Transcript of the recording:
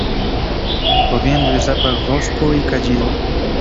"Powiędły zapach wosku i kadzidła."